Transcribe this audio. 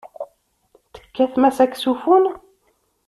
Tekkatem asaksufun?